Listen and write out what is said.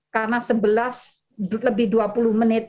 karena sebelas lebih dua puluh menit